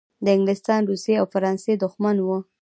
د انګلستان، روسیې او فرانسې دښمن وو.